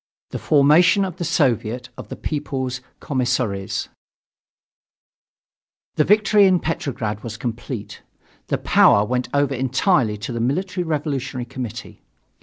THE FORMATION OF THE SOVIET OF THE PEOPLE'S COMMISSARIES The victory in Petrograd was complete. The power went over entirely to the Military Revolutionary Committee.